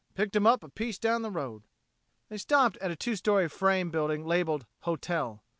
Picked 'em up a piece down the road." They stopped at a two story frame building labeled "Hotel."